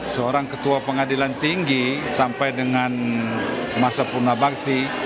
seorang ketua pengadilan tinggi sampai dengan masa purna bakti